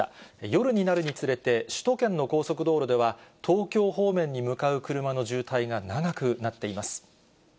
夜になるにつれて、首都圏の高速道路では、東京方面に向かう車の渋滞が長くなっています。